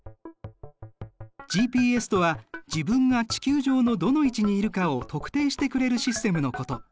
ＧＰＳとは自分が地球上のどの位置にいるかを特定してくれるシステムのこと。